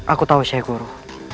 aku tahu syekh guru